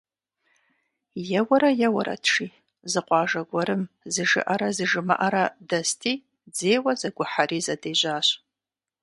Еуэрэ-еуэрэт, жи, зы къуажэ гуэрым зы Жыӏэрэ зы Жумыӏэрэ дэсти, дзейуэ зэгухьэри, зэдежьащ.